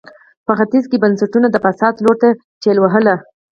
په ختیځ کې یې بنسټونه د فساد لور ته ټېل وهل.